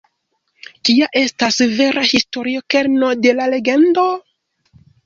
Kia estas vera historia kerno de la legendo?